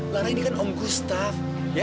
lara ini kan om gustaf